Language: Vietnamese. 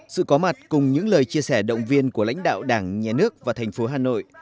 sự có mặt cùng những lời chia sẻ động viên của lãnh đạo đảng nhà nước và thành phố hà nội